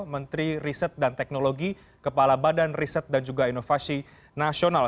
menteri riset dan teknologi kepala badan riset dan juga inovasi nasional